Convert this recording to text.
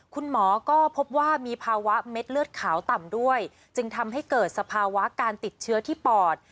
คุณหมอก็พบว่ามีภาวะเม็ดเลือดขาวต่ำด้วยจึงทำให้เกิดสภาวะการติดเชื้อที่ปอด